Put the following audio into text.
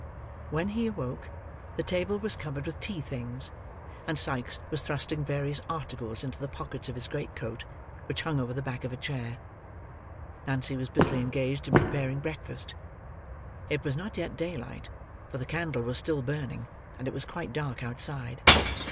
When he awoke, the table was covered with tea things, and Sikes was thrusting various articles into the pockets of his great coat, which hung over the back of a chair. Nancy was busily engaged in preparing breakfast. It was not yet daylight; for the candle was still burning, and it was quite dark outside.